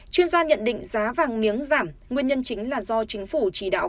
chuyên gia nhận định giá vàng miếng giảm nguyên nhân chính là do chính phủ chỉ đạo